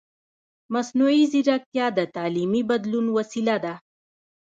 مصنوعي ځیرکتیا د تعلیمي بدلون وسیله ده.